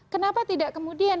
kenapa tidak kemudian